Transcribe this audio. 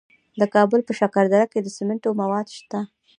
د کابل په شکردره کې د سمنټو مواد شته.